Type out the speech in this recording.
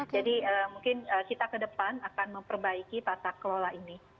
jadi mungkin kita ke depan akan memperbaiki tata kelola ini